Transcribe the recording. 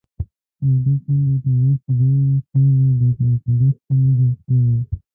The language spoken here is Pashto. یو بل تن راته ویل چې درې کاله بیت المقدس ته نه دی تللی.